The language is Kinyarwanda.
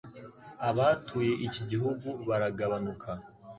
Abatuye iki gihugu baragabanuka.